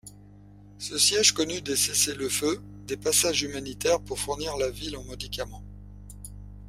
Ce siège connut des cessez-le-feu, des passages humanitaires pour fournir la ville en médicaments.